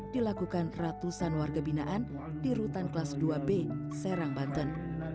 dilakukan ratusan warga binaan di rutan kelas dua b serang banten